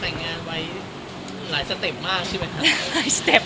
แต่งงานไว้หลายสเต็ปมากใช่ไหมครับ